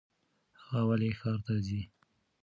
هغه ولې ښار ته ځي ؟